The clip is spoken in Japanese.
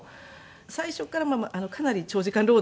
最初からかなり長時間労働だと。